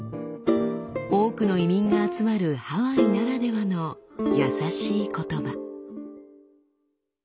多くの移民が集まるハワイならではの優しい言葉。